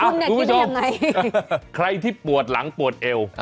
เดี๋ยวมั่งใครที่ปวดหลังปวดเอว